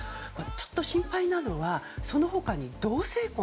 ちょっと心配なのはその他に同性婚。